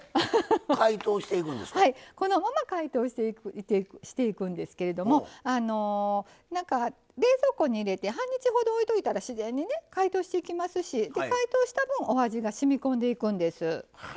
このまま解凍していくんですけれども冷蔵庫に入れて半日ほどおいといたら自然にね解凍していきますし解凍した分お味がしみこんでいくんです。